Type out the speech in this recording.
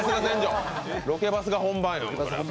ロケバスが本番。